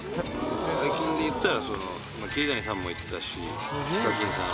最近でいったら桐谷さんも行ったしＨＩＫＡＫＩＮさん